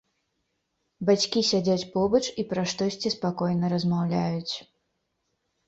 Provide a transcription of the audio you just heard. Бацькі сядзяць побач і пра штосьці спакойна размаўляюць.